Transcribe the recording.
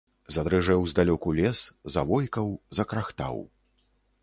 Задрыжэў здалёку лес, завойкаў, закрахтаў.